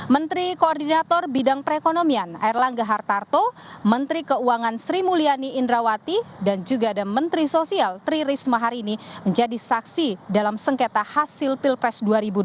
menteri koordinator bidang perekonomian erlangga hartarto menteri keuangan sri mulyani indrawati dan juga ada menteri sosial tri risma hari ini menjadi saksi dalam sengketa hasil pilpres dua ribu dua puluh